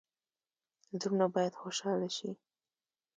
زړونه باید خوشحاله شي